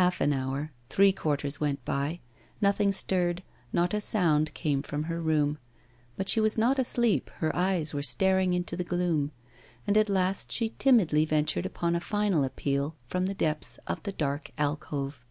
Half an hour, three quarters went by, nothing stirred, not a sound came from her room; but she was not asleep, her eyes were staring into the gloom; and at last she timidly ventured upon a final appeal, from the depths of the dark alcove.